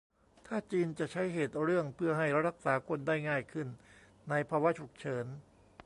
ถ้าจีนจะใช้เหตุเรื่องเพื่อให้รักษาคนได้ง่ายขึ้นในภาวะฉุกเฉิน